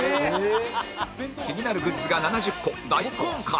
気になるグッズが７０個大公開